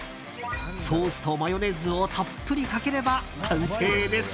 ソースとマヨネーズをたっぷりかければ完成です。